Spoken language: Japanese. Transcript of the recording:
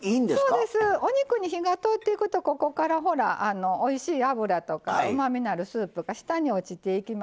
そうですお肉に火が通っていくとここからほらおいしい脂とかうまみのあるスープが下に落ちていきますでしょ。